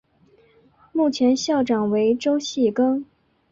目前校长为周戏庚。